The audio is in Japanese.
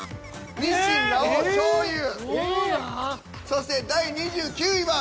そして第２９位は。